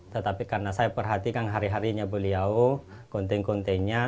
tetapi karena saya perhatikan hari harinya beliau konten kontennya